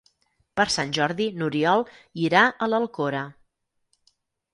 Per Sant Jordi n'Oriol irà a l'Alcora.